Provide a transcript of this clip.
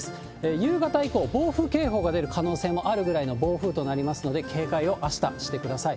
夕方以降、暴風警報が出る可能性もあるぐらいの暴風となりますので、警戒をあした、してください。